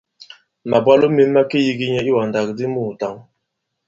Màbwalo mē ma ke yīgi nyɛ i iwàndak di muùtǎŋ.